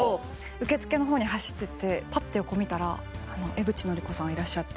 受付のほうに走って行ってぱって横見たら江口のりこさんいらっしゃって。